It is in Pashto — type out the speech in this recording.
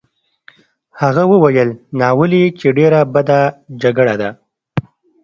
هغه وویل: ناولې! چې ډېره بده جګړه ده.